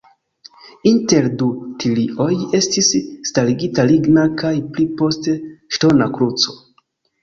Inter du tilioj estis starigita ligna kaj pli poste ŝtona kruco.